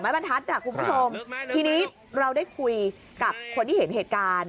บรรทัศน์อ่ะคุณผู้ชมทีนี้เราได้คุยกับคนที่เห็นเหตุการณ์